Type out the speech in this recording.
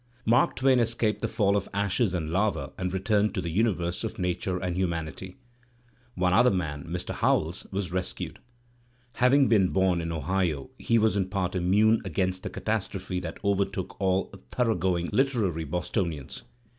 Mark Twain escaped the fall of ashes and lava and returned to the universe of nature and humanity. One other man, Mr. Howells, was rescued. Having been bom, in Ohio, he was in part immune against the catastrophe that overtook all thoroughgoing literary Bostonians.